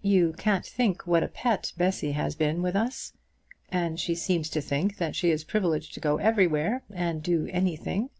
"You can't think what a pet Bessy has been with us. And she seems to think that she is privileged to go everywhere, and do anything."